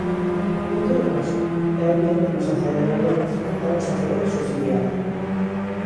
En todo caso, é evidente que a sociedade galega é unha sociedade subsidiada.